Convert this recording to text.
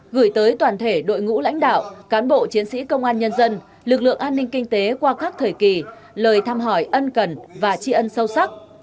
gửi tới toàn thể đội ngũ lãnh đạo cán bộ chiến sĩ công an nhân dân lực lượng an ninh kinh tế qua các thời kỳ lời thăm hỏi ân cần và tri ân sâu sắc